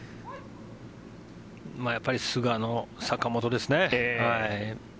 やっぱり菅野、坂本ですね。